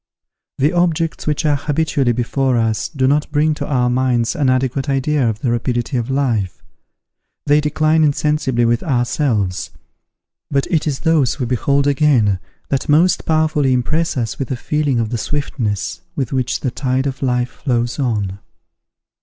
The objects which are habitually before us do not bring to our minds an adequate idea of the rapidity of life; they decline insensibly with ourselves: but it is those we behold again, that most powerfully impress us with a feeling of the swiftness with which the tide of life flows on.